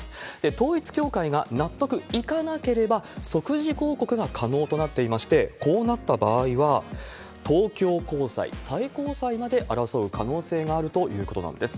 統一教会が納得いかなければ、即時抗告が可能となっていまして、こうなった場合は、東京高裁、最高裁まで争う可能性があるということなんです。